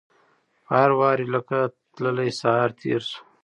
په هر واري لکه تللی سهار تیر شو